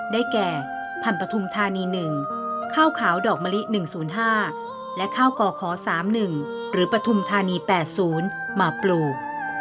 ได้แก่พันธุมธานี๑ข้าวขาวดอกมะลิ๑๐๕และข้าวก่อขอ๓๑หรือปฐุมธานี๘๐มาปลูก